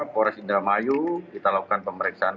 polres indramayu kita lakukan pemeriksaan